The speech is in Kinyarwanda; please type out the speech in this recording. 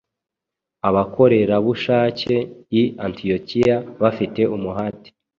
abakorerabushake i Antiyokiya bafite umuhati